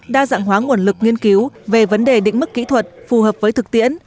đa dạng hóa nguồn lực nghiên cứu về vấn đề định mức kỹ thuật phù hợp với thực tiễn